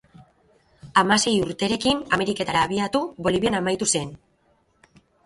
Hamasei urterekin Ameriketara abiatu Bolivian amaitu zen.